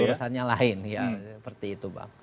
urusannya lain ya seperti itu bang